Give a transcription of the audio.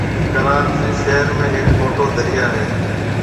ڪراچِي شهر ۾ هيَڪ موٽو دريا هيَ۔